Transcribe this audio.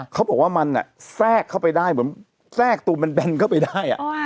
เขาบอกว่ามันแทรกเข้าไปได้เหมือนแทรกตัวมันแบนเข้าไปได้